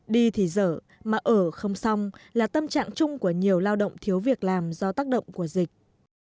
đi thì dở mà ở không xong là tâm trạng chung của nhiều lao động thiếu việc làm do tác động của dịch